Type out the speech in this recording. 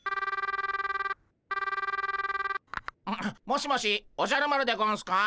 ☎もしもしおじゃる丸でゴンスか？